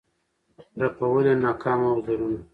رپول یې له ناکامه وزرونه